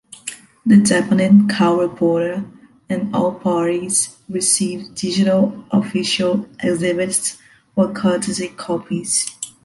The deponent, court reporter, and all parties receive digital official exhibits or courtesy copies.